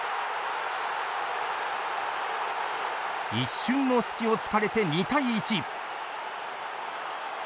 一瞬の隙を突かれて２対１。